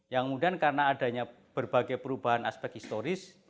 yang kemudian karena adanya berbagai perubahan aspek historis